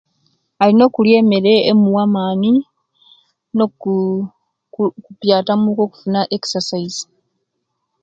Alina okulya emere emuwa amani noku okupiyata muku okufuna exercise